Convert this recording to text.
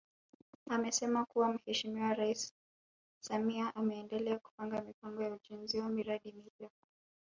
Amesema kuwa Mheshimiwa Rais Samia ameendelea kupanga mipango ya ujenzi wa miradi mipya